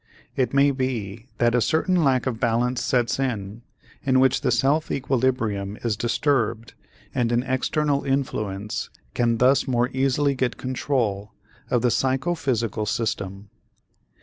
It may be that a certain lack of balance sets in in which the self equilibrium is disturbed and an external influence can thus more easily get control of the psychophysical system.